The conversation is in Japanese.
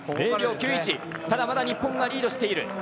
まだ日本がリードしている。